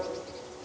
apa itu riasan